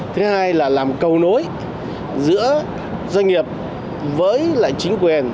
thứ hai là làm cầu nối giữa doanh nghiệp với lại chính quyền